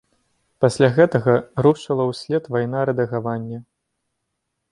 Пасля гэтага рушыла ўслед вайна рэдагавання.